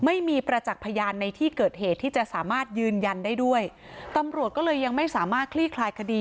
ไม่มีประจักษ์พยานในที่เกิดเหตุที่จะสามารถยืนยันได้ด้วยตำรวจก็เลยยังไม่สามารถคลี่คลายคดี